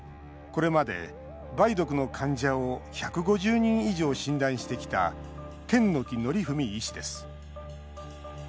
これまで梅毒の患者を１５０人以上、診断してきた剣木憲文医師です。